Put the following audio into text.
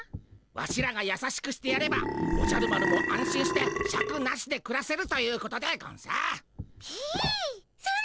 ワシらが優しくしてやればおじゃる丸も安心してシャクなしでくらせるということでゴンス。